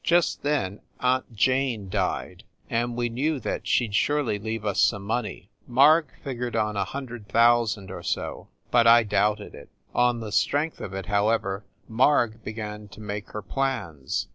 Just then Aunt Jane died, and we knew that she d surely leave us some money. Marg figured on a hundred thousand or so, but I doubted it. On the strength of it, however, Marg began to make her plans.